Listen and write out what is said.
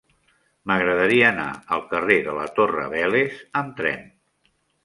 M'agradaria anar al carrer de la Torre Vélez amb tren.